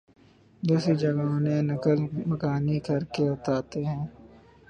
دوسری جگہوں سے نقل مکانی کرکے آتے ہیں